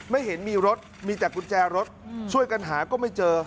ไม่เห็นมีรถมีแต่กุญแจรถช่วยกันหาก็ไม่เจอ